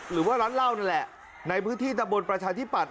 หรือว่าร้านเหล้านั่นแหละในพื้นที่ตะบนประชาธิปัตย